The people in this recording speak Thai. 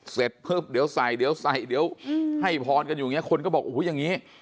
เสร็จเดี๋ยวใส่ให้พรกันอยู่คนก็บอกอย่างนี้